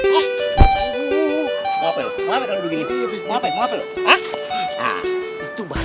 pokoknya gue harus fokus sama pertandingan